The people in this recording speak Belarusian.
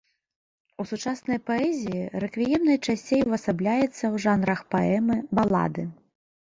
У сучаснай паэзіі рэквіем найчасцей увасабляецца ў жанрах паэмы, балады.